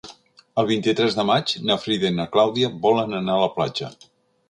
El vint-i-tres de maig na Frida i na Clàudia volen anar a la platja.